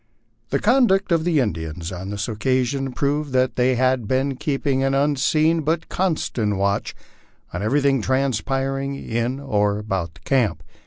The conduct of the Indians on this occasion proved that they had been keeping an unseen but constant watch on everything transpiring in or about camp.